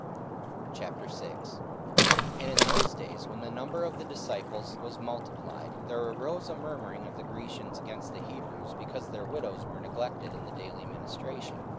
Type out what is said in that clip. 44:006:001 And in those days, when the number of the disciples was multiplied, there arose a murmuring of the Grecians against the Hebrews, because their widows were neglected in the daily ministration.